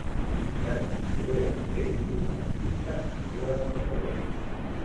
Carme Solé Vendrell és una artista nascuda a Barcelona.